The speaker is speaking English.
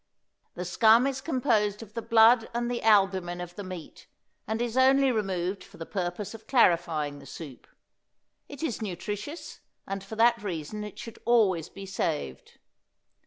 The scum is composed of the blood and the albumen of the meat, and is only removed for the purpose of clarifying the soup. It is nutritious, and for that reason it should always be saved.